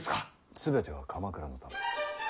全ては鎌倉のため。